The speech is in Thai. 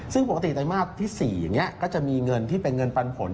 ซึ่งปกติไตรมาสที่๔อย่างนี้ก็จะมีเงินที่เป็นเงินปันผล